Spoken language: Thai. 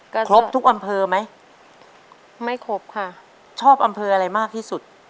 ก็ครบทุกอำเภอไหมไม่ครบค่ะชอบอำเภออะไรมากที่สุด